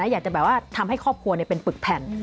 อยากจะแบบว่าทำให้ครอบครัวเป็นปึกแผ่น